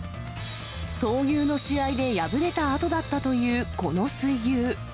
闘牛の試合で敗れたあとだったというこの水牛。